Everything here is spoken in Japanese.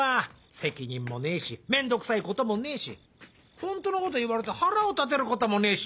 責任もねえし面倒くさいこともねえし本当のこと言われて腹を立てることもねえし。